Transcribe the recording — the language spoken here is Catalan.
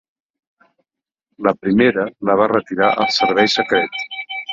La primera la va retirar el Servei Secret.